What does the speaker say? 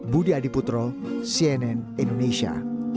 budi adiputro cnn indonesia